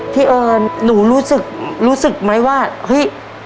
เอิญหนูรู้สึกรู้สึกไหมว่าเฮ้ย